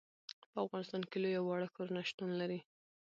په افغانستان کې لوی او واړه ښارونه شتون لري.